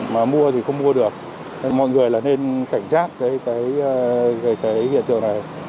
mà mua thì không mua được nên mọi người là nên cảnh giác cái hiện tượng này